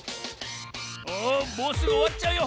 おもうすぐおわっちゃうよ。